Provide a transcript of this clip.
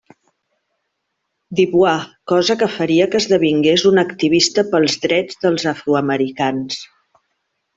Du Bois, cosa que faria que esdevingués una activista pels drets dels afroamericans.